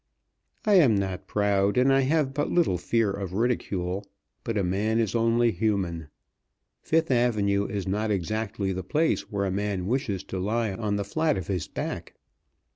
I am not proud, and I have but little fear of ridicule, but a man is only human. Fifth Avenue is not exactly the place where a man wishes to lie on the fiat of his back.